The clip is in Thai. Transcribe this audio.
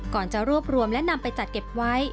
ก่อนจะรวบรวมและนำไปจัดเก็บไว้